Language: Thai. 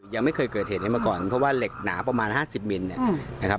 ยังไม่เคยเกิดเหตุเห็นให้มาก่อนเพราะว่าเหล็กหนาประมาณ๕๐มิลลิเมตร